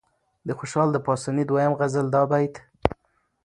د خوشال د پاسني دويم غزل دا بيت